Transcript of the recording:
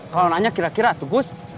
kalau nanya kira kira tuh gus